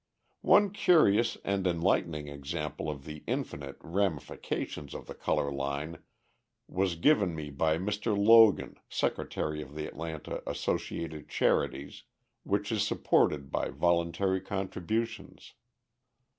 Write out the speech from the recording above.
One curious and enlightening example of the infinite ramifications of the colour line was given me by Mr. Logan, secretary of the Atlanta Associated Charities, which is supported by voluntary contributions.